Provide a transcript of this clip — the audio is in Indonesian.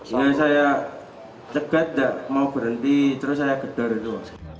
dia saya tegak mau berhenti terus saya gedar itu